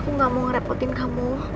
aku gak mau ngerepotin kamu